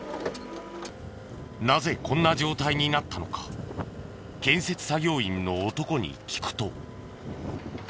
なぜこんな状態になったのか建設作業員の男に聞くと。